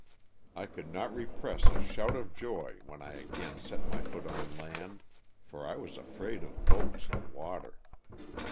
I could not repress a shout of joy, when I again set my foot on land, for I was afraid of boats and water.